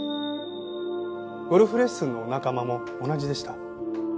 ゴルフレッスンのお仲間も同じでした。